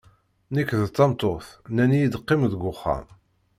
Nekk d tameṭṭut, nnan-iyi-d qqim deg uxxam.